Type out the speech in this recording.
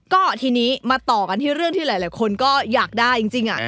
ก็ทีนี้มาต่อกันที่เรื่องที่หลายคนก็อยากได้จริง